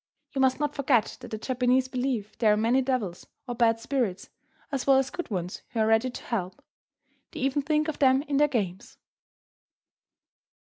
You must not forgot that the Japanese believe there are many devils, or bad spirits, as well as good ones who are ready to help. They even think of them in their games.